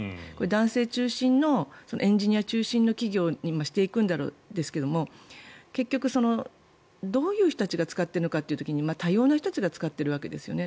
男性中心のエンジニア中心の企業にしていくんでしょうけども結局どういう人たちが使っているかという時に多様な人たちが使っているわけですよね。